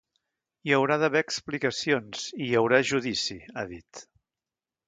“Hi haurà d’haver explicacions i hi haurà judici”, ha dit.